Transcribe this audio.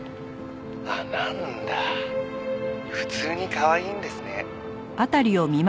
「あっなんだ普通にかわいいんですね」